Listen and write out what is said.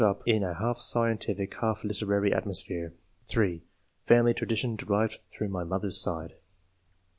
211 in a half scientific, half literary atmosphere. (3) Family tradition derived through my mother's side.